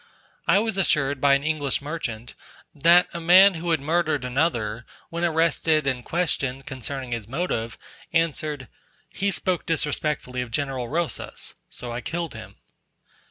I was assured by an English merchant, that a man who had murdered another, when arrested and questioned concerning his motive, answered, "He spoke disrespectfully of General Rosas, so I killed him."